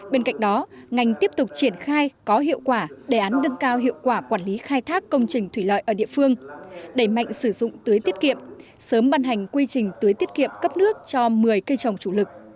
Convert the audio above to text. bên cạnh đó ngành tiếp tục triển khai có hiệu quả đề án nâng cao hiệu quả quản lý khai thác công trình thủy lợi ở địa phương đẩy mạnh sử dụng tưới tiết kiệm sớm ban hành quy trình tưới tiết kiệm cấp nước cho một mươi cây trồng chủ lực